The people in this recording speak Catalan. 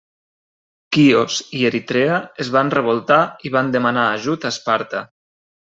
Quios i Eritrea es van revoltar i van demanar ajut a Esparta.